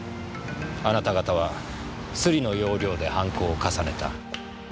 あなた方はスリの要領で犯行を重ねた。